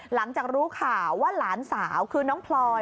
หลังจากรู้ข่าวว่าหลานสาวคือน้องพลอย